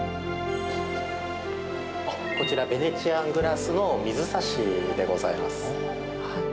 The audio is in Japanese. こちらヴェネチアン・グラスの水差しでございます。